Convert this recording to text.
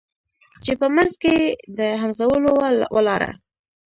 چي په منځ کي د همزولو وه ولاړه